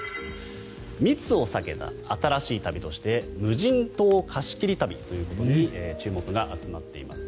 密を避けた新しい旅として無人島貸し切り旅ということで注目が集まっています。